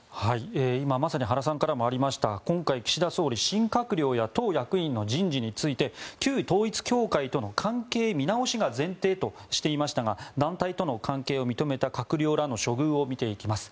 今まさに原さんからもありましたが今回、岸田総理は閣僚や党役員人事について旧統一教会との関係見直しが前提としていましたが団体との関係を認めた閣僚らの処遇を見ていきます。